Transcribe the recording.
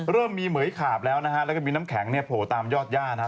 เริ่มมีเหมือยขาบแล้วนะฮะแล้วก็มีน้ำแข็งเนี่ยโผล่ตามยอดย่านะฮะ